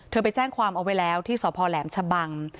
ไปแจ้งความเอาไว้แล้วที่สพแหลมชะบัง